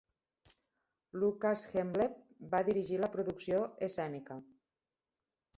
Lukas Hemleb va dirigir la producció escènica.